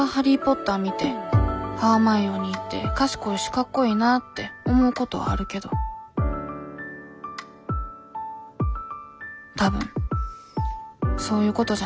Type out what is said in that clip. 見てハーマイオニーって賢いしかっこいいなって思うことはあるけど多分そういうことじゃない。